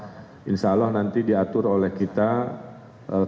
dan insyaallah nanti diatur oleh kita kategori